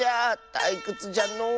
たいくつじゃのう。